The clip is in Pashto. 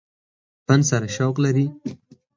فن سره شوق لري ۔